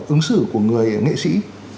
ứng xử của người nghệ sĩ